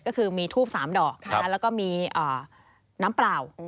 ก็คือมีทูบ๓ดอกแล้วก็มีน้ำเปล่า